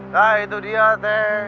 nah itu dia teh